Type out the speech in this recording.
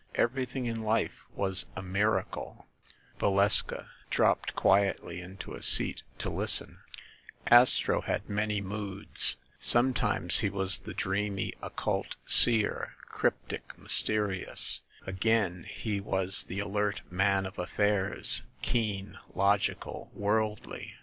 Everything in life was a miracle." Valeska dropped quietly into a seat to listen. Astro 247 248 THE MASTER OF MYSTERIES had many moods. Sometimes he was the dreamy oc cult Seer, cryptic, mysterious; again he was the alert man of affairs, keen, logical, worldly.